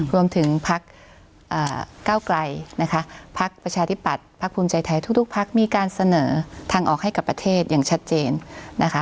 พักเก้าไกลนะคะพักประชาธิปัตย์พักภูมิใจไทยทุกพักมีการเสนอทางออกให้กับประเทศอย่างชัดเจนนะคะ